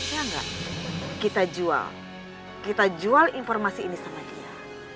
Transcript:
bisa nggak kita jual kita jual informasi ini sama dia